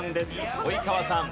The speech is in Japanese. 及川さん